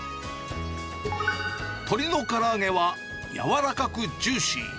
鶏のから揚げは柔らかくジューシー。